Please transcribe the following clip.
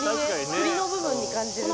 フリの部分に感じるね。